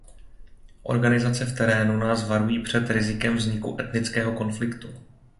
Organizace v terénu nás varují před rizikem vzniku etnického konfliktu.